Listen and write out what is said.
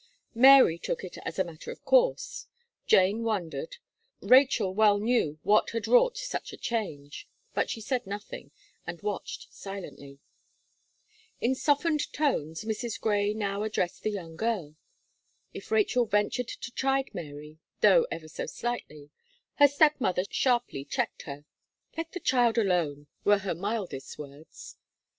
Mary took it as a matter of course, Jane wondered, Rachel well knew what had wrought such a change; but she said nothing, and watched silently. In softened tones, Mrs. Gray now addressed the young girl. If Rachel ventured to chide Mary, though ever so slightly, her step mother sharply checked her. "Let the child alone," were her mildest words.